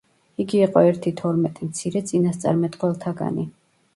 იგი იყო ერთი თორმეტი მცირე წინასწარმეტყველთაგანი.